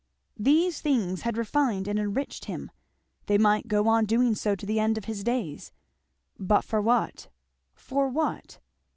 These things had refined and enriched him; they might go on doing so to the end of his days; but for what? For what?